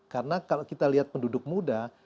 karena kalau kita lihat penduduk muda